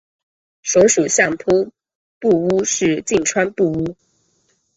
所属相扑部屋是境川部屋。